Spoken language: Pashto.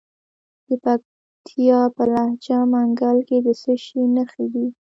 د پکتیا په لجه منګل کې د څه شي نښې دي؟